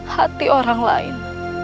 hati orang lain